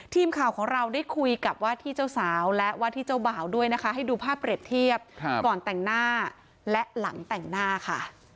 ทีมข่าวของเราได้คุยกับว่าที่เจ้าสาวและว่าที่เจ้าบ่าวด้วยนะคะให้ดูภาพเปรียบเทียบก่อนแต่งหน้าและหลังแต่งหน้าค่ะ